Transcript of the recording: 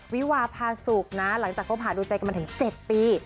วิวาภาสุกนะหลังจากคบหาดูใจกันมาถึง๗ปี